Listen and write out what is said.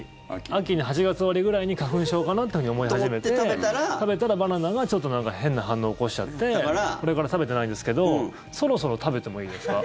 ８月終わりくらいに花粉症かなって思い始めて食べたら、バナナがちょっと変な反応を起こしちゃってそれから食べてないんですけどそろそろ食べてもいいですか？